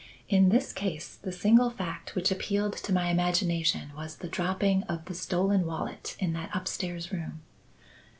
In this case the single fact which appealed to my imagination was the dropping of the stolen wallet in that upstairs room.